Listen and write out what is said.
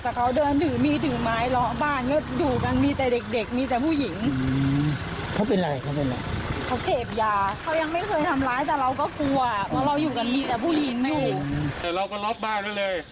เพราะเราอยู่กันมีแต่ผู้หญิงไม่อยู่แต่เราก็ล๊อบบ้านด้วยเลย